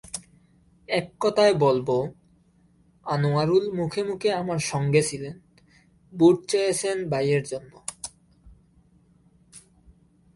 এককথায় বলব, আনোয়ারুল মুখে মুখে আমার সঙ্গে ছিলেন, ভোট চেয়েছেন ভাইয়ের জন্য।